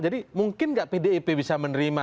jadi mungkin nggak pdip bisa menerima